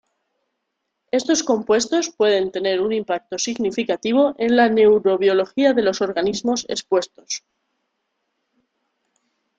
Estos compuestos pueden tener un impacto significativo en la neurobiología de los organismos expuestos.